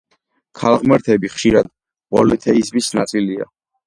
ქალღმერთები ხშირად პოლითეიზმის ნაწილია.